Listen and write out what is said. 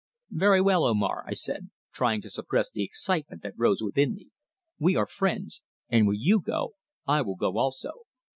"Very well, Omar," I said, trying to suppress the excitement that rose within me. "We are friends, and where you go I will go also."